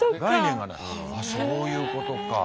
あっそういうことか。